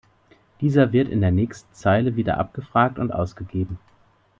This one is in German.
Dieser wird in der nächsten Zeile wieder abgefragt und ausgegeben.